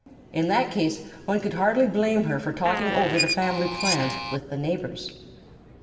In that case one could hardly blame her for talking over the family plans with the neighbors.